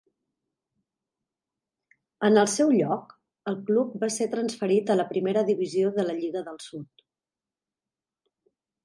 En el seu lloc, el club va ser transferit a la Primera Divisió de la Lliga del Sud.